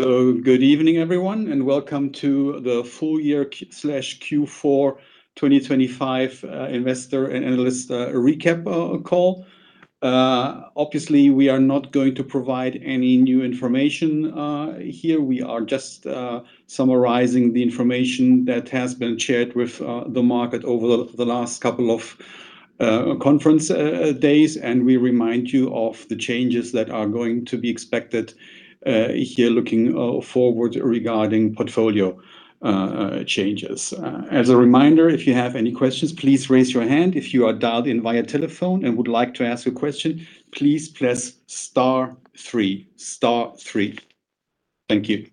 So good evening, everyone, and welcome to the Full Year/Q4 2025 Investor and Analyst recap call. Obviously, we are not going to provide any new information here. We are just summarizing the information that has been shared with the market over the last couple of conference days, and we remind you of the changes that are going to be expected here looking forward regarding portfolio changes. As a reminder, if you have any questions, please raise your hand. If you are dialed in via telephone and would like to ask a question, please press star three. Star three. Thank you.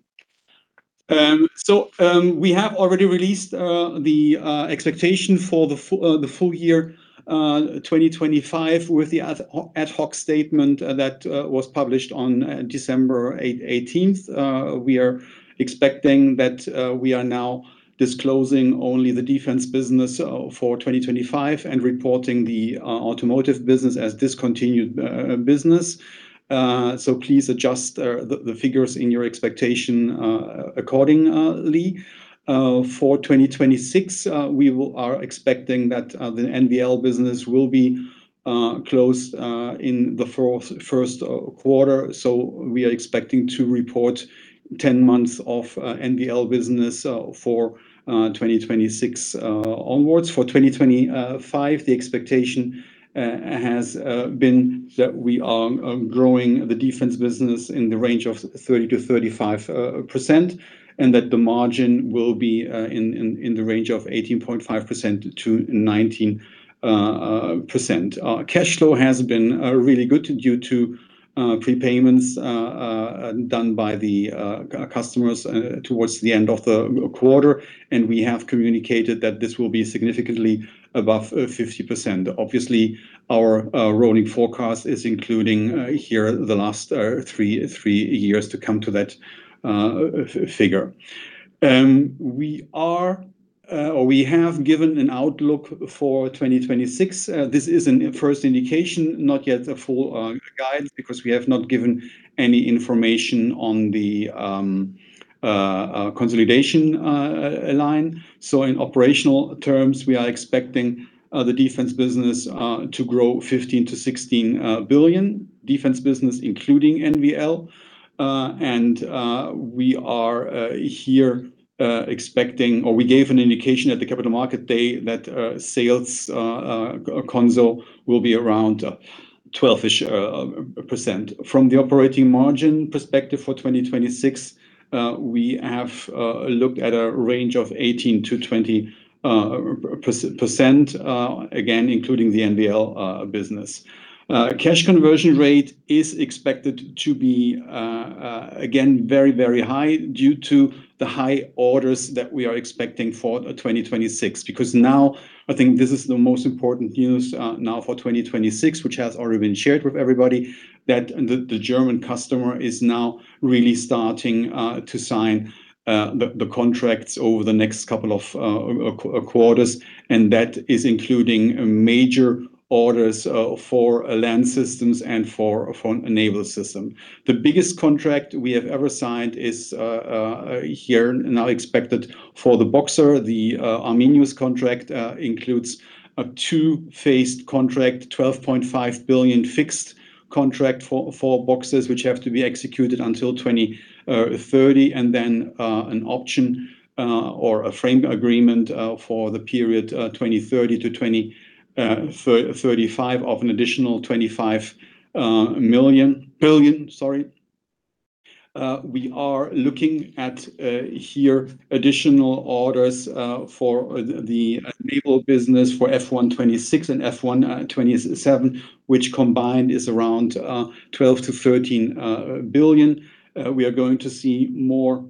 We have already released the expectation for the full year 2025, with the ad hoc statement that was published on December 18th. We are expecting that we are now disclosing only the defense business for 2025 and reporting the automotive business as discontinued business. So please adjust the figures in your expectation accordingly. For 2026, we are expecting that the NVL business will be closed in the first quarter, so we are expecting to report 10 months of NVL business for 2026 onwards. For 2025, the expectation has been that we are growing the defense business in the range of 30%-35%, and that the margin will be in the range of 18.5%-19%. Cash flow has been really good due to prepayments done by the customers towards the end of the quarter, and we have communicated that this will be significantly above 50%. Obviously, our rolling forecast is including here the last three years to come to that figure. We are, or we have given an outlook for 2026. This is a first indication, not yet a full guide, because we have not given any information on the consolidation line. So in operational terms, we are expecting the defense business to grow 15-16 billion, defense business, including NVL. We are here expecting, or we gave an indication at the Capital Market Day, that sales console will be around 12-ish%. From the operating margin perspective for 2026, we have looked at a range of 18%-20%, again, including the NVL business. Cash conversion rate is expected to be again very, very high due to the high orders that we are expecting for 2026, because now I think this is the most important news now for 2026, which has already been shared with everybody, that the German customer is now really starting to sign the contracts over the next couple of quarters, and that is including major orders for land systems and for naval system. The biggest contract we have ever signed is now expected for the Boxer. The Arminius contract includes a two-phased contract, 12.5 billion fixed contract for Boxers, which have to be executed until 2030, and then an option or a frame agreement for the period 2030-2035 of an additional 25 million-- billion, sorry. We are looking at additional orders for the naval business for F126 and F127, which combined is around 12-13 billion. We are going to see more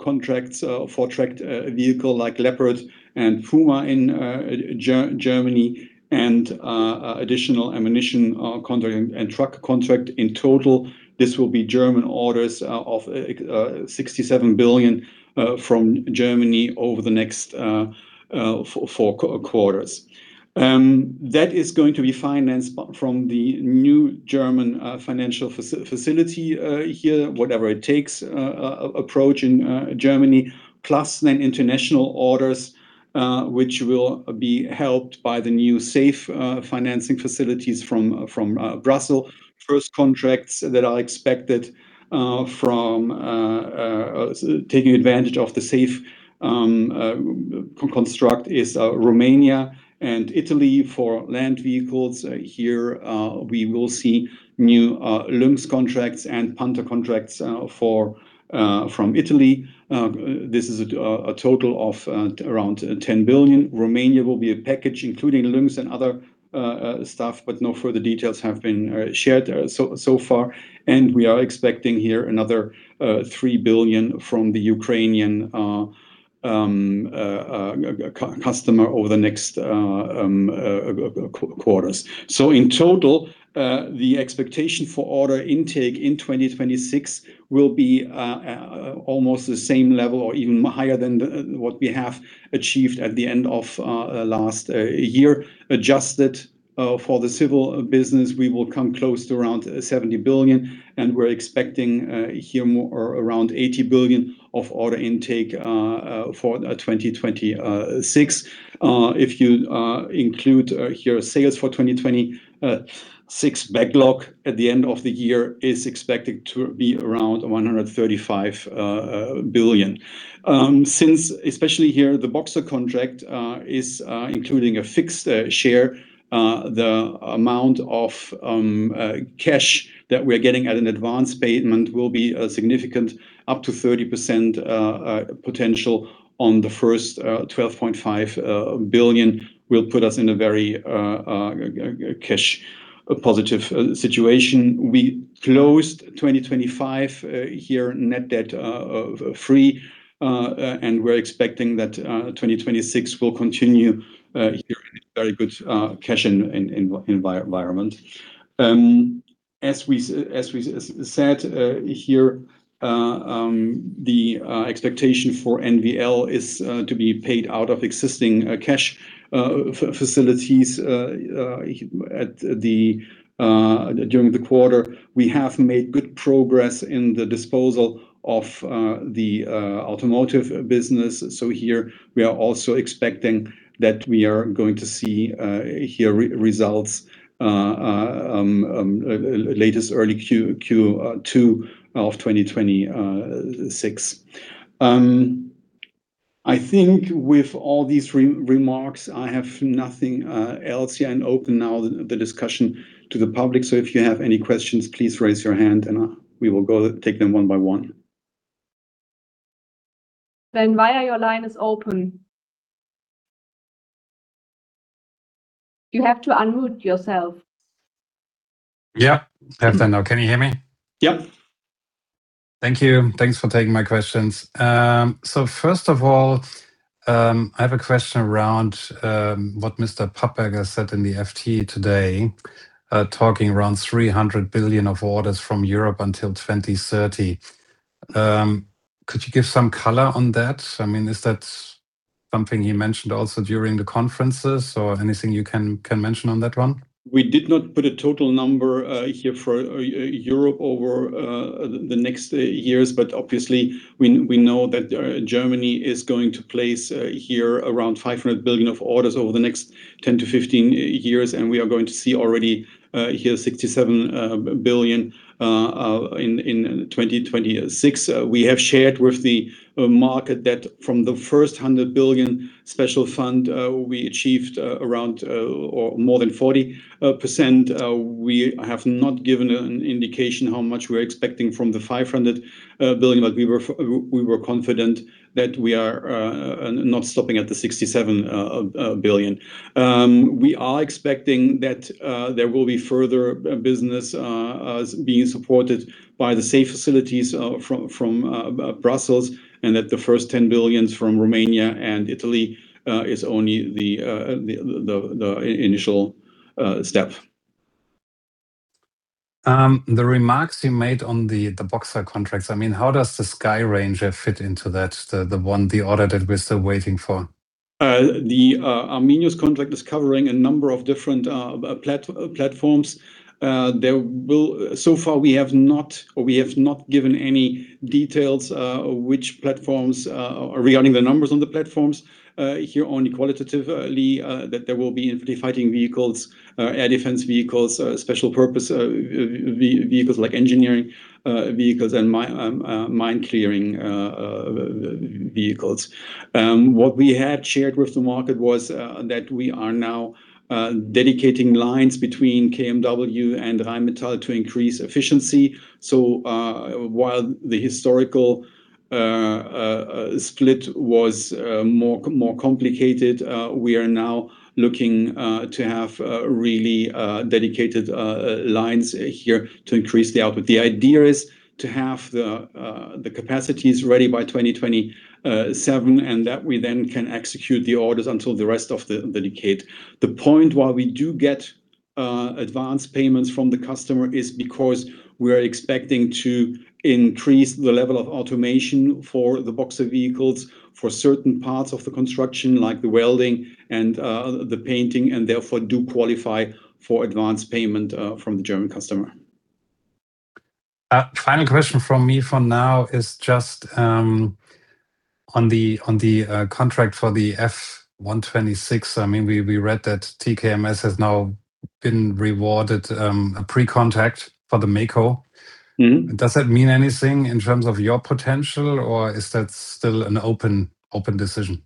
contracts for tracked vehicle like Leopard and Puma in Germany and additional ammunition contract and truck contract. In total, this will be German orders of 67 billion from Germany over the next four quarters. That is going to be financed from the new German financial facility here, whatever it takes approach in Germany, plus then international orders, which will be helped by the new safe financing facilities from Brussels. First contracts that are expected from taking advantage of the safe construct is Romania and Italy for land vehicles. Here, we will see new Lynx contracts and Panther contracts from Italy. This is a total of around 10 billion. Romania will be a package, including Lynx and other stuff, but no further details have been shared so far. We are expecting here another 3 billion from the Ukrainian customer over the next quarters. So in total, the expectation for order intake in 2026 will be almost the same level or even higher than what we have achieved at the end of last year. Adjusted for the civil business, we will come close to around 70 billion, and we're expecting here more around 80 billion of order intake for 2026. If you include your sales for 2026, backlog at the end of the year is expected to be around 135 billion. Since especially here, the Boxer contract is including a fixed share, the amount of cash that we are getting at an advance payment will be a significant up to 30% potential on the first 12.5 billion, will put us in a very cash positive situation. We closed 2025 here net debt free, and we're expecting that 2026 will continue here in a very good cash environment. As we said here, the expectation for NVL is to be paid out of existing cash facilities during the quarter. We have made good progress in the disposal of the automotive business. So here we are also expecting that we are going to see here results latest early Q2 of 2026. I think with all these remarks, I have nothing else here, and open now the discussion to the public. So if you have any questions, please raise your hand and we will go take them one by one. Then your line is open. You have to unmute yourself. Yeah, I have done now. Can you hear me? Yep. Thank you. Thanks for taking my questions. So first of all, I have a question around what Mr. Papperger said in the FT today, talking around 300 billion of orders from Europe until 2030. Could you give some color on that? I mean, is that something he mentioned also during the conferences or anything you can, can mention on that one? We did not put a total number here for Europe over the next years. But obviously, we know that Germany is going to place here around 500 billion of orders over the next 10-15 years, and we are going to see already here 67 billion in 2026. We have shared with the market that from the first 100 billion special fund we achieved around or more than 40%. We have not given an indication how much we're expecting from the 500 billion, but we were confident that we are not stopping at the 67 billion. We are expecting that there will be further business being supported by the safe facilities from Brussels, and that the first 10 billion from Romania and Italy is only the initial step. The remarks you made on the Boxer contracts, I mean, how does the Skyranger fit into that? The one, the order that we're still waiting for. The Arminius contract is covering a number of different platforms. So far, we have not given any details which platforms regarding the numbers on the platforms. Here, only qualitatively, that there will be infantry fighting vehicles, air defense vehicles, special purpose vehicles like engineering vehicles, and mine clearing vehicles. What we had shared with the market was that we are now dedicating lines between KMW and Rheinmetall to increase efficiency. So, while the historical split was more complicated, we are now looking to have really dedicated lines here to increase the output. The idea is to have the capacities ready by 2027, and that we then can execute the orders until the rest of the decade. The point why we do get advanced payments from the customer is because we are expecting to increase the level of automation for the Boxer vehicles for certain parts of the construction, like the welding and the painting, and therefore do qualify for advanced payment from the German customer. Final question from me for now is just on the contract for the F126. I mean, we read that TKMS has now been awarded a pre-contract for the MEKO. Mm-hmm. Does that mean anything in terms of your potential, or is that still an open, open decision?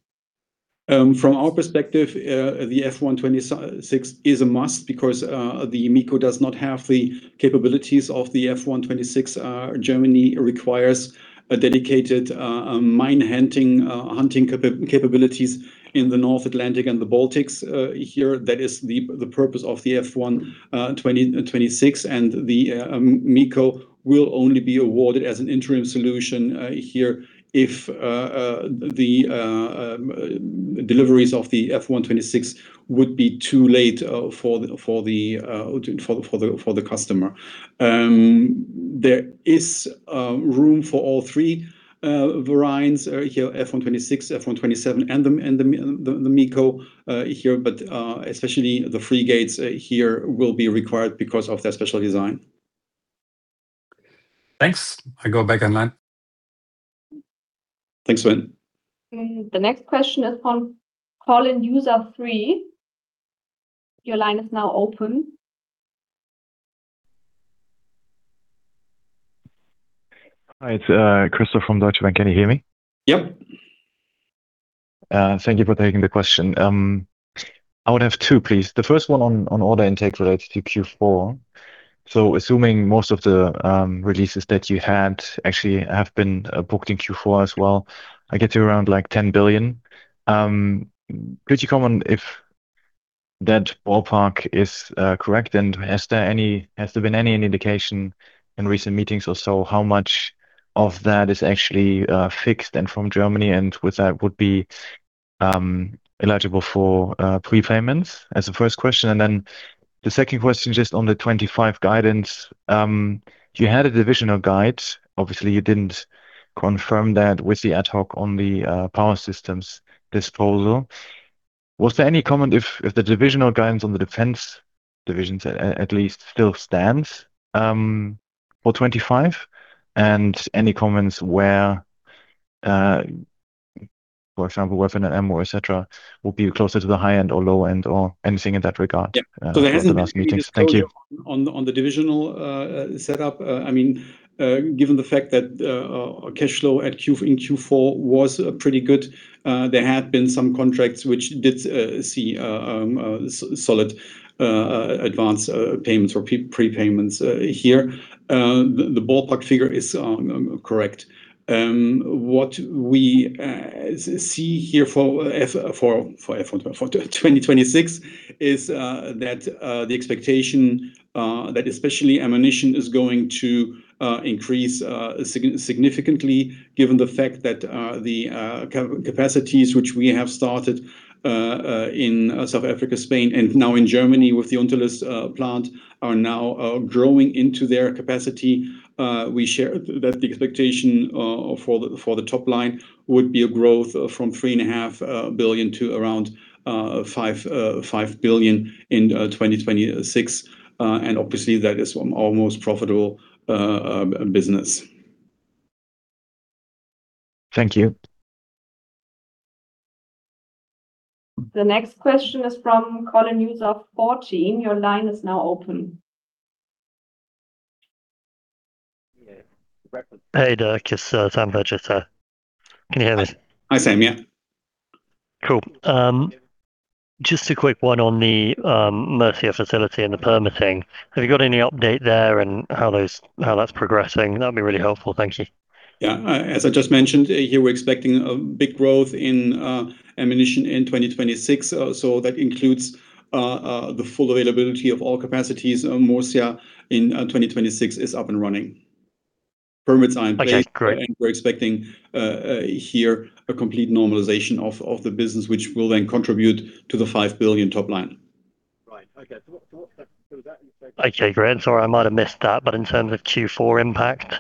From our perspective, the F-126 is a must because the MEKO does not have the capabilities of the F-126. Germany requires a dedicated mine hunting capabilities in the North Atlantic and the Baltics. Here, that is the purpose of the F-126, and the MEKO will only be awarded as an interim solution here, if the deliveries of the F-126 would be too late for the customer. There is room for all three variants here, F-126, F-127, and the MEKO here, but especially the frigates here will be required because of their special design. Thanks. I go back online. Thanks, Sven. Mm-hmm. The next question is from caller, user three. Your line is now open. Hi, it's Christoph from Deutsche Bank. Can you hear me? Yep. Thank you for taking the question. I would have two, please. The first one on order intake related to Q4. So assuming most of the releases that you had actually have been booked in Q4 as well, I get to around, like, 10 billion. Could you comment if that ballpark is correct? And has there been any indication in recent meetings or so how much of that is actually fixed and from Germany, and would that be eligible for prepayments? As a first question. And then the second question, just on the 2025 guidance. You had a divisional guide. Obviously, you didn't confirm that with the ad hoc on the power systems disposal. Was there any comment if the divisional guidance on the defense divisions at least still stands for 25? And any comments where, for example, weapon and ammo, et cetera, will be closer to the high end or low end, or anything in that regard? Yeah. In the last few meetings. Thank you. On the divisional setup, I mean, given the fact that cash flow at Q, in Q4 was pretty good, there had been some contracts which did see solid advance payments or prepayments here. The ballpark figure is correct. What we see here for 2026 is that the expectation that especially ammunition is going to increase significantly given the fact that the capacities which we have started in South Africa, Spain, and now in Germany with the Unterlüß plant are now growing into their capacity. We share that the expectation for the top line would be a growth from 3.5 billion to around 5 billion in 2026. And obviously, that is our most profitable business. Thank you. The next question is from caller user 14. Your line is now open. Hey, Dirk, it's Sam Burgess. Can you hear me? Hi, Sam. Yeah. Cool. Just a quick one on the, Murcia facility and the permitting. Have you got any update there on how those, how that's progressing? That'd be really helpful. Thank you. Yeah. As I just mentioned, here we're expecting a big growth in ammunition in 2026. So that includes the full availability of all capacities, Murcia in 2026 is up and running. Permits are in place- Okay, great. And we're expecting here a complete normalization of the business, which will then contribute to the 5 billion top line. Right. Okay. So what, what was that you said? Okay, great. Sorry, I might have missed that, but in terms of Q4 impact,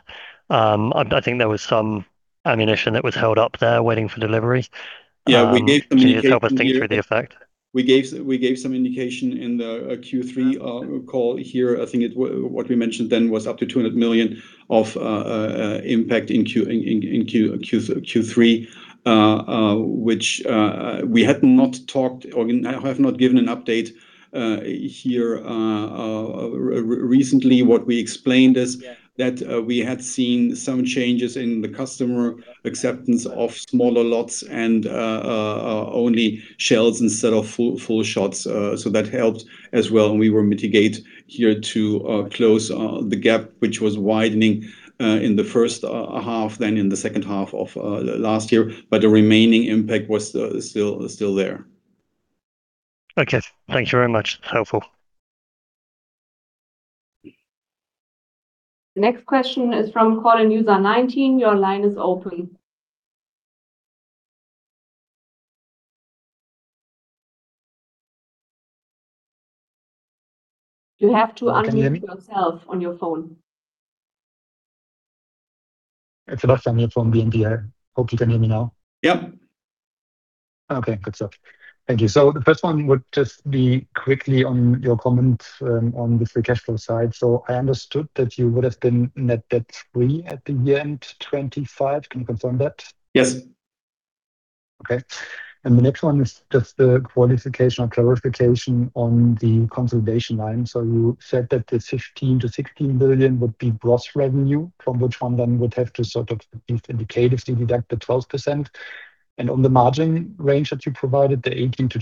I think there was some ammunition that was held up there waiting for delivery. Yeah, we gave some indication- Can you just help us think through the effect? We gave, we gave some indication in the Q3 call here. I think what we mentioned then was up to 200 million of impact in Q3. Which we had not talked or I have not given an update here recently. What we explained is that we had seen some changes in the customer acceptance of smaller lots and only shells instead of full shots. So that helped as well, and we were mitigate here to close the gap, which was widening in the first half then in the second half of last year. But the remaining impact was still there. Okay. Thank you very much. Helpful. Next question is from caller user 19. Your line is open. You have to unmute- Can you hear me? yourself on your phone. It's Sebastian here from BNP. I hope you can hear me now. Yep. Okay, good stuff. Thank you. So the first one would just be quickly on your comment, on the free cash flow side. So I understood that you would have been net debt free at the end 2025. Can you confirm that? Yes. Okay. And the next one is just the qualification or clarification on the consolidation line. So you said that the 15-16 billion would be gross revenue, from which one then would have to sort of indicatively deduct the 12%. And on the margin range that you provided, the 18%-20%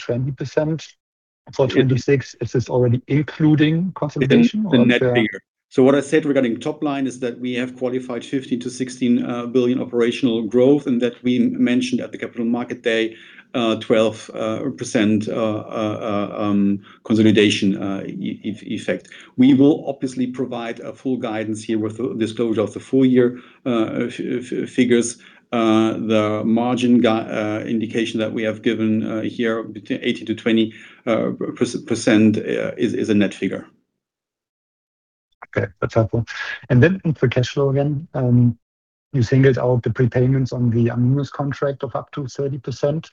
for 2026, is this already including consolidation or the- The net figure. So what I said regarding top line is that we have qualified 15-16 billion operational growth, and that we mentioned at the Capital Market Day, 12% consolidation effect. We will obviously provide a full guidance here with the disclosure of the full year figures. The margin indication that we have given here, between 18%-20%, is a net figure. Okay. That's helpful. And then for cash flow again, you singled out the prepayments on the ammunition contract of up to 30%.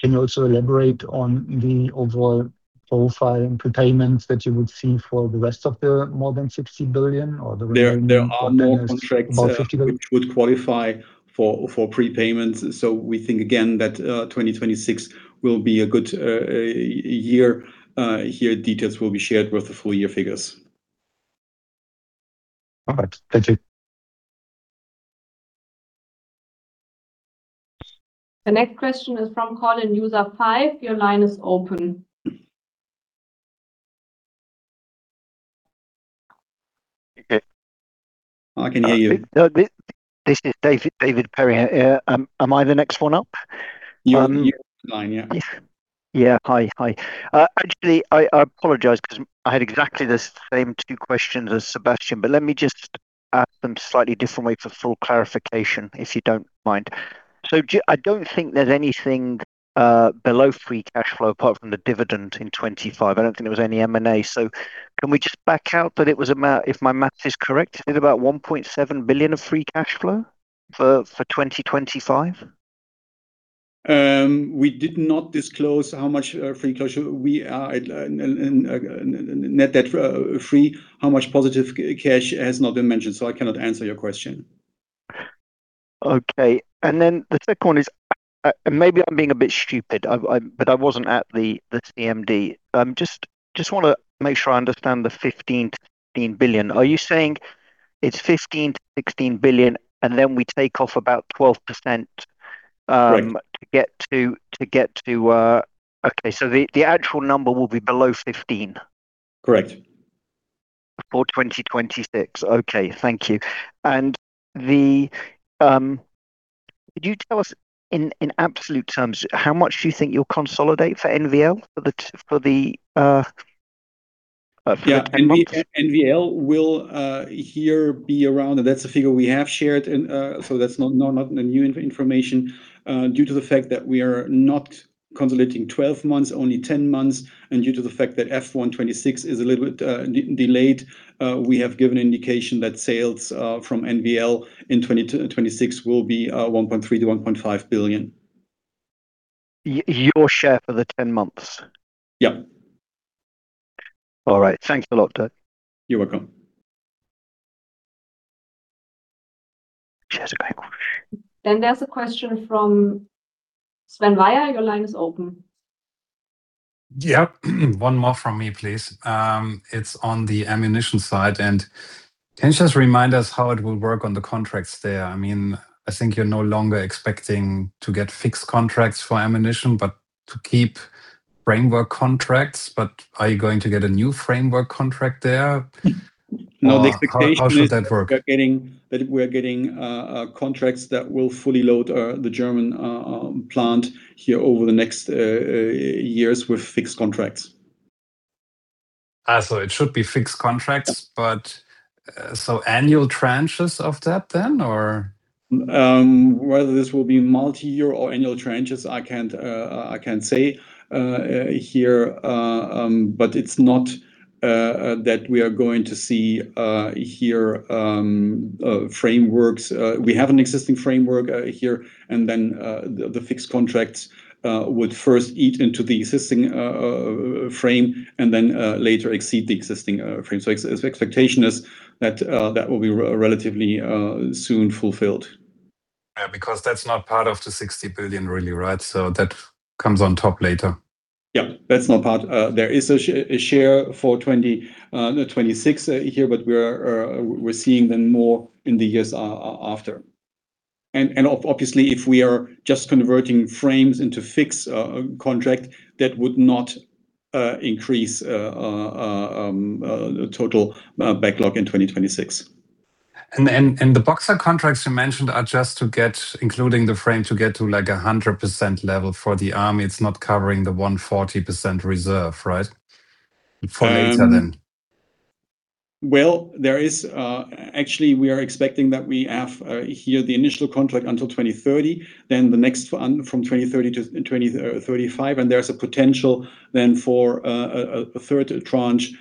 Can you also elaborate on the overall profile and prepayments that you would see for the rest of the more than 60 billion or the remaining- There are more contracts- EUR 50 billion... which would qualify for prepayments. So we think again, that 2026 will be a good year. Here, details will be shared with the full year figures. All right. Thank you.... The next question is from caller user 5. Your line is open. Okay. I can hear you. No, this is David, David Perry. Am I the next one up? You're on the line, yeah. Yeah. Hi, hi. Actually, I apologize because I had exactly the same two questions as Sebastian, but let me just ask them slightly differently for full clarification, if you don't mind. So I don't think there's anything below free cash flow, apart from the dividend in 2025. I don't think there was any M&A, so can we just back out that it was about, if my math is correct, it was about 1.7 billion of free cash flow for 2025? We did not disclose how much free cash flow we are at in net debt free. How much positive cash has not been mentioned, so I cannot answer your question. Okay. And then the second one is, and maybe I'm being a bit stupid. But I wasn't at the CMD. Just wanna make sure I understand the 15-16 billion. Are you saying it's 15-16 billion, and then we take off about 12%, Correct. Okay, so the, the actual number will be below 15? Correct. For 2026. Okay, thank you. And could you tell us in absolute terms how much do you think you'll consolidate for NVL for the next months? Yeah. NVL will here be around, and that's the figure we have shared, and so that's not new information. Due to the fact that we are not consolidating 12 months, only 10 months, and due to the fact that F126 is a little bit delayed, we have given indication that sales from NVL in 2026 will be 1.3 billion-1.5 billion. Your share for the 10 months? Yeah. All right. Thanks a lot, Dirk. You're welcome. Cheers, bye. There's a question from Sven Weier. Your line is open. Yeah, one more from me, please. It's on the ammunition side, and can you just remind us how it will work on the contracts there? I mean, I think you're no longer expecting to get fixed contracts for ammunition, but to keep framework contracts, but are you going to get a new framework contract there? No, the expectation is- How, how should that work? We're getting contracts that will fully load the German plant here over the next years with fixed contracts. So it should be fixed contracts, but so annual tranches of that then, or? Whether this will be multi-year or annual tranches, I can't say here, but it's not that we are going to see here frameworks. We have an existing framework here, and then the fixed contracts would first eat into the existing frame and then later exceed the existing frame. So expectation is that that will be relatively soon fulfilled. Yeah, because that's not part of the 60 billion really, right? So that comes on top later. Yeah, that's not part. There is a share for 2026 here, but we're seeing them more in the years after. And obviously, if we are just converting frames into fixed contract, that would not increase the total backlog in 2026. And the Boxer contracts you mentioned are just to get, including the frame, to get to, like, a 100% level for the army. It's not covering the 140% reserve, right? Um- For later then. Well, there is. Actually, we are expecting that we have here the initial contract until 2030, then the next one from 2030-2035, and there's a potential then for a third tranche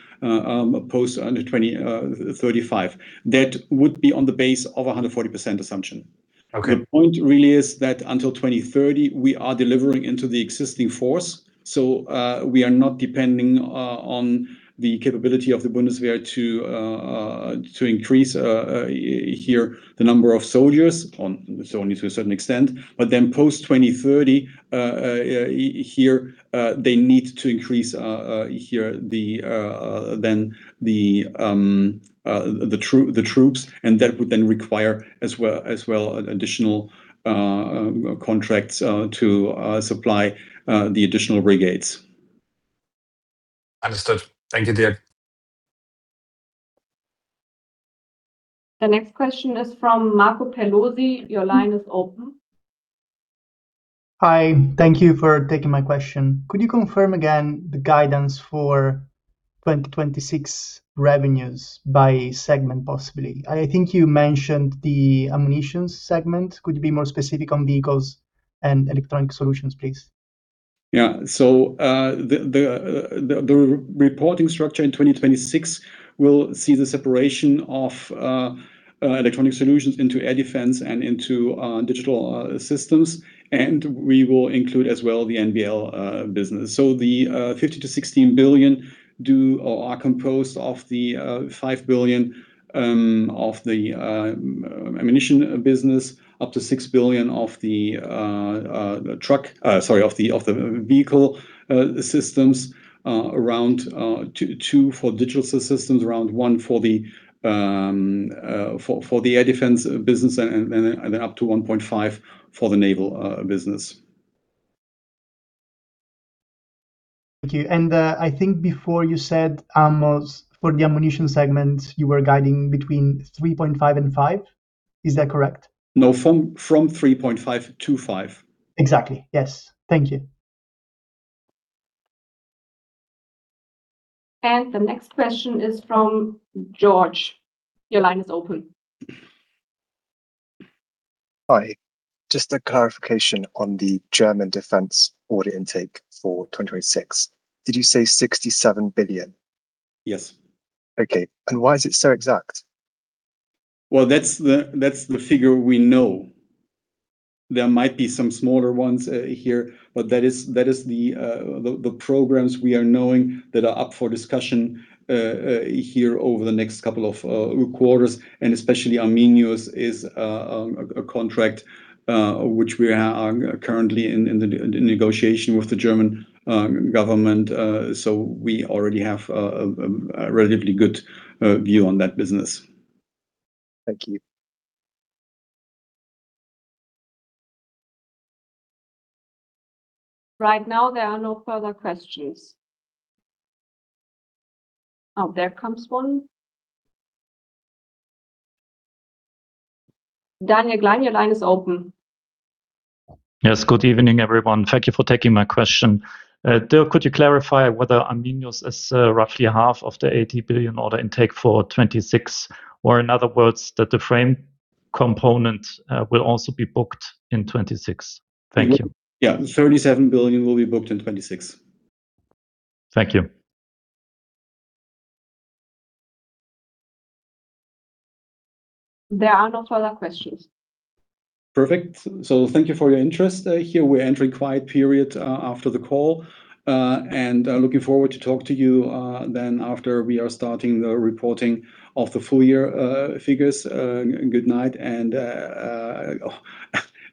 post under 2035. That would be on the base of a 140% assumption. Okay. The point really is that until 2030, we are delivering into the existing force, so we are not depending on the capability of the Bundeswehr to increase here the number of soldiers so only to a certain extent. But then post 2030 here they need to increase here the Then the the troops, and that would then require as well as well additional contracts to supply the additional brigades. Understood. Thank you, Dirk. The next question is from Marco Pelosi. Your line is open. Hi, thank you for taking my question. Could you confirm again the guidance for 2026 revenues by segment, possibly? I think you mentioned the ammunition segment. Could you be more specific on vehicles and electronics solutions, please? Yeah. The reporting structure in 2026 will see the separation of electronic solutions into air defense and into digital systems, and we will include as well the NVL business. The 15-16 billion are composed of the 5 billion of the ammunition business, up to 6 billion of the vehicle systems, around 2 billion for digital systems, around 1 billion for the air defense business, and then up to 1.5 billion for the naval business. ... Thank you. And, I think before you said, Amos, for the ammunition segment, you were guiding between 3.5 and 5. Is that correct? No, from 3.5-5. Exactly, yes. Thank you. The next question is from George. Your line is open. Hi, just a clarification on the German defense order intake for 2026. Did you say 67 billion? Yes. Okay, why is it so exact? Well, that's the figure we know. There might be some smaller ones here, but that is the programs we are knowing that are up for discussion here over the next couple of quarters, and especially Arminius is a contract which we are currently in the negotiation with the German government. So we already have a relatively good view on that business. Thank you. Right now, there are no further questions. Oh, there comes one. Daniel Gleim, your line is open. Yes, good evening, everyone. Thank you for taking my question. Dirk, could you clarify whether Arminius is roughly half of the 80 billion order intake for 2026, or in other words, that the frame component will also be booked in 2026? Thank you. Yeah, 37 billion will be booked in 2026. Thank you. There are no further questions. Perfect. So thank you for your interest here. We're entering quiet period after the call, and looking forward to talk to you then after we are starting the reporting of the full year figures. Good night, and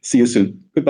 see you soon. Goodbye.